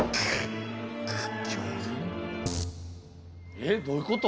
えっどういうこと？